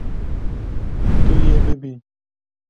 Tu yê bibî.